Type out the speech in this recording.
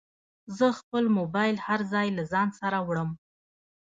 زه خپل موبایل هر ځای له ځانه سره وړم.